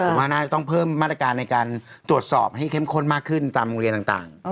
ผมว่าน่าจะต้องเพิ่มมาตรการในการตรวจสอบให้เข้มข้นมากขึ้นตามโรงเรียนต่าง